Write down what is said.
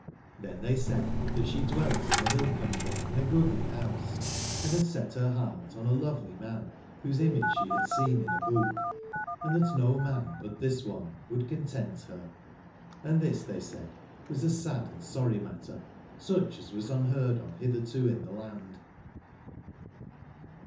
Tlben tbey said tbat sbe dwelt in tbe bill/country in a goodly bouse, & bad set ber beart on a lovely man, wbose image sbe bad seen in a book, and tbat no man but tbis one would content ber; and tbis, tbey said, was a sad and sorry matter, sucb as was unbeard of bitberto in tbe land.